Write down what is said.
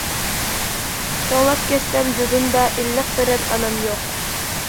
توڭلاپ كەتسەم جۇدۇندا، ئىللىق بېرەر ئانام يوق.